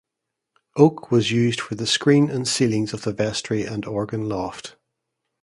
Oak was used for the screen and ceilings of the vestry and organ loft.